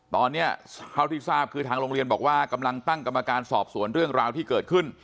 ตอนนี้เท่าที่ทราบคือทางโรงเรียนบอกว่ากำลังตั้งกรรมการสอบสวนเรื่องราวที่เกิดขึ้น